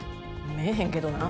見えへんけどな。